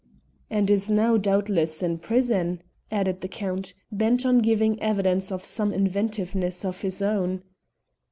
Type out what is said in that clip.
"And is now, doubtless, in prison," added the Count, bent on giving evidence of some inventiveness of his own.